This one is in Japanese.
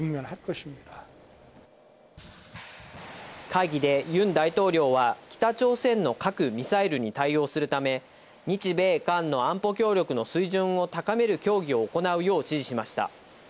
会議でユン大統領は、北朝鮮の核・ミサイルに対応するため、日米韓の安保協力の水準を高める協議を行うよう指示しました。